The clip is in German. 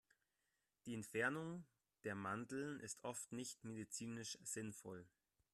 Die Entfernung der Mandeln ist oft nicht medizinisch sinnvoll.